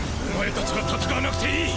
お前たちは戦わなくていい！！